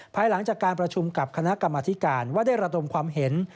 ภายหลังจากการประชุมกับคณะกรรมธิการว่าได้ระดมความเห็น